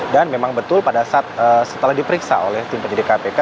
dan memang betul setelah diperiksa oleh tim penyidik kpk